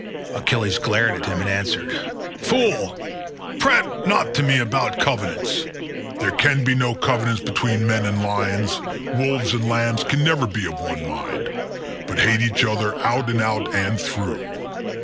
Achilles glared at him and answered, "Fool, prate not to me about covenants. There can be no covenants between men and lions, wolves and lambs can never be of one mind, but hate each other out and out all through.